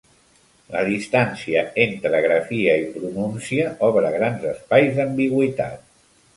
La distància entre grafia i pronúncia obre grans espais d'ambigüitat.